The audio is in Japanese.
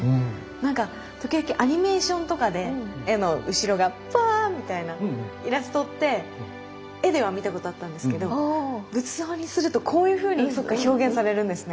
なんか時々アニメーションとかで絵の後ろがパーッみたいなイラストって絵では見たことあったんですけど仏像にするとこういうふうに表現されるんですね。